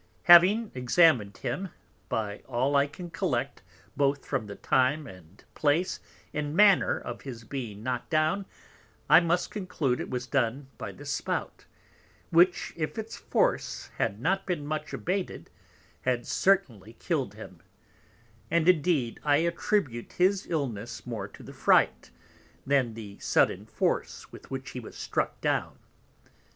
Having examined him, by all I can collect both from the Time, and Place, and Manner of his being knock'd down, I must conclude it was done by the Spout, which, if its Force had not been much abated, had certainly kill'd him: and indeed I attribute his Illness more to the Fright, than the sudden Force with which he was struck down.